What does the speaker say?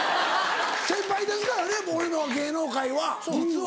先輩ですからね俺の方が芸能界は実は。